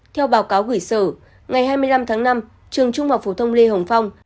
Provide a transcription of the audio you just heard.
theo báo cáo gửi sở ngày hai mươi năm tháng năm trường trung học phổ thông lê hồng phong